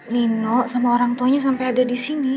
nino sama orang tuanya sampai ada disini